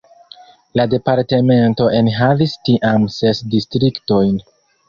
La departemento enhavis tiam ses distriktojn.